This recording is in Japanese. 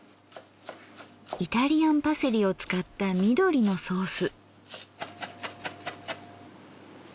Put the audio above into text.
イタリアンパセリを使った緑のソース。